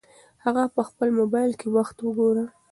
هغه په خپل موبایل کې وخت وګوره.